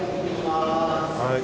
はい。